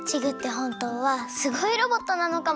ほんとうはすごいロボットなのかも。